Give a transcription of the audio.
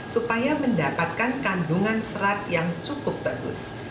supaya mendapatkan kandungan serat yang cukup bagus